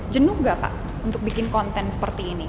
jenuh gak pak untuk bikin konten seperti ini